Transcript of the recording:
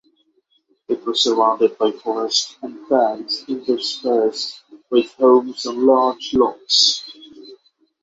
It is surrounded by forests and farms interspersed with homes on large lots.